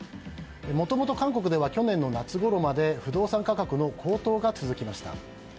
もともと韓国では去年の夏ごろまで、不動産価格の高騰が続きました。